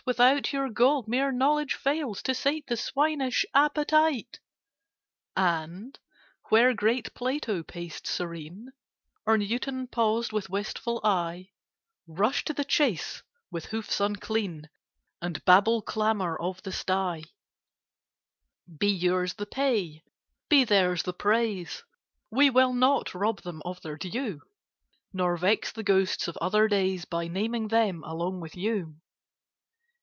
Without your Gold mere Knowledge fails To sate the swinish appetite!" And, where great Plato paced serene, Or Newton paused with wistful eye, Rush to the chace with hoofs unclean And Babel clamour of the sty Be yours the pay: be theirs the praise: We will not rob them of their due, Nor vex the ghosts of other days By naming them along with you.